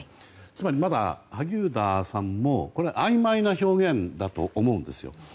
つまり、まだ萩生田さんもあいまいな表現だと思うんです。